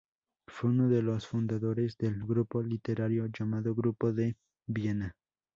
Fue uno de los fundadores del grupo literario llamado Grupo de Viena.